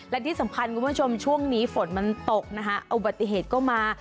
และที่สำคัญคุณผู้ชมช่วงนี้ฝนมันตกนะคะอุบัติเหตุก็มา